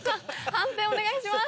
判定お願いします。